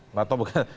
tidak tahu bukan